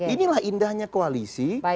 inilah indahnya koalisi